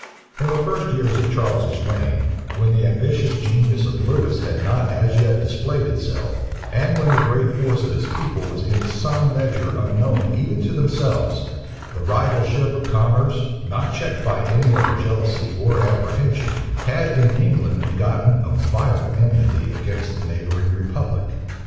In the first years of Charles's reign, when the ambitious genius of Lewis had not as yet displayed itself, and when the great force of his people was in some measure unknown even to themselves, the rival ship of commerce, not checked by any other jealousy or apprehension, had in England begotten a violent enmity against the neighboring republic.